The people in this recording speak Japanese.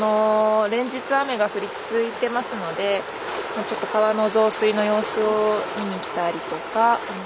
連日雨が降り続いてますのでちょっと川の増水の様子を見に来たりとか。